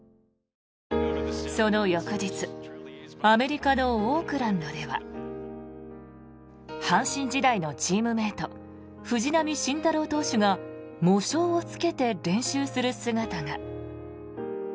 その翌日アメリカのオークランドでは阪神時代のチームメート藤浪晋太郎投手が喪章をつけて練習する姿が。